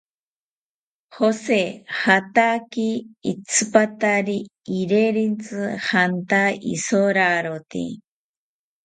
Jose jataki itsipatari rirentzi janta isorarote